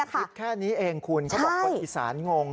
คิดแค่นี้เองคุณเขาบอกคนอีสานงง